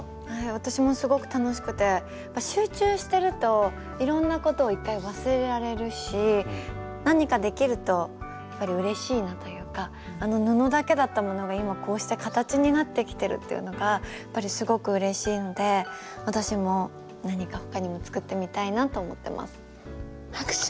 私もすごく楽しくて集中してるといろんなことを１回忘れられるし何かできるとやっぱりうれしいなというかあの布だけだったものが今こうして形になってきてるというのがやっぱりすごくうれしいので私も何か他にも作ってみたいなと思ってます。